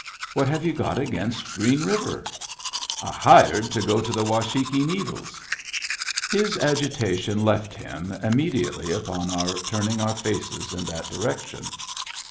" What have you got against Green River ?"" I hired to go to the Washakie Needles." His agitation left him immediately upon our turning our faces in that direction.